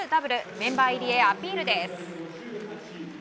メンバー入りへアピールです。